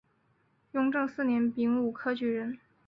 雍正四年丙午科举人。